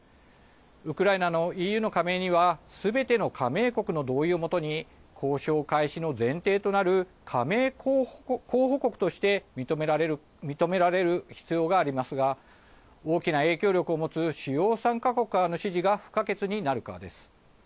ウクライナのＥＵの加盟にはすべての加盟国の同意を基に交渉開始の前提となる加盟候補国として認められる必要がありますが大きな影響力を持つ主要３か国からの支持が不可欠になるからです。